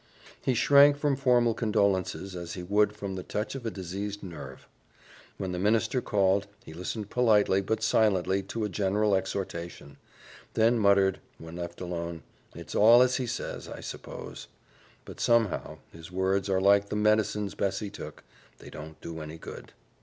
He shrank from formal condolences as he would from the touch of a diseased nerve. When the minister called, he listened politely but silently to a general exhortation; then muttered, when left alone, "It's all as he says, I suppose; but somehow his words are like the medicines Bessie took they don't do any good."